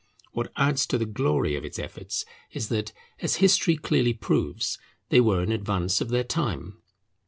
What adds to the glory of its efforts is that, as history clearly proves, they were in advance of their time.